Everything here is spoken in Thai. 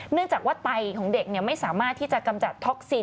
เนื่องจากว่าไตของเด็กไม่สามารถที่จะกำจัดท็อกซีน